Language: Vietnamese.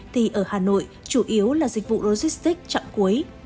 thì ở hà nội chủ yếu là dịch vụ logistics chặng cuối